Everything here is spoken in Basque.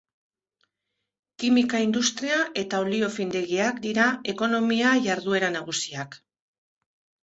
Kimika-industria eta olio findegiak dira ekonomia jarduera nagusiak.